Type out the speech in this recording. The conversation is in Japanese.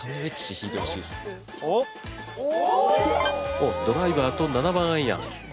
おっドライバーと７番アイアン。